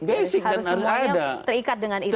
harus semuanya terikat dengan itu